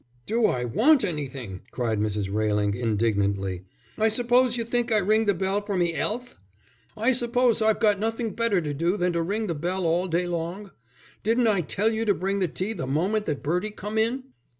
"Do I want anything!" cried Mrs. Railing, indignantly, "I suppose you think I ring the bell for me 'ealth! I suppose I've got nothing better to do than to ring the bell all day long. Didn't I tell you to bring the tea the moment that Bertie come in?"